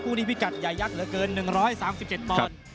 คู่นี้พิกัดใหญ่ยักษ์เหลือเกิน๑๓๗ปอนด์